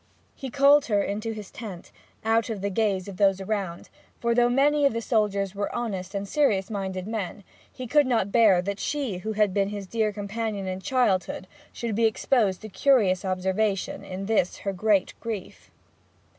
He called her into his tent, out of the gaze of those around; for though many of the soldiers were honest and serious minded men, he could not bear that she who had been his dear companion in childhood should be exposed to curious observation in this her great grief.